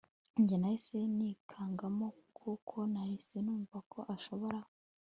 Njye nahise nikangamo kuko nahise numvako ashobora